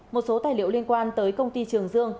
một số tài liệu liên quan tới công ty trường dương